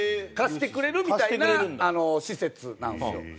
貸してくれるみたいな施設なんですよ。